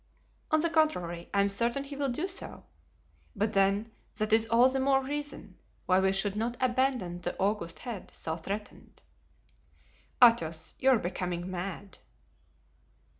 "On the contrary, I am certain he will do so. But then that is all the more reason why we should not abandon the august head so threatened." "Athos, you are becoming mad."